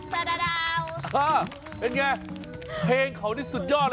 เป็นไงเพลงเขาที่สุดยอดเลยนะ